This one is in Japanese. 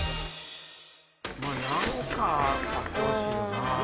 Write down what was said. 何かあってほしいよな。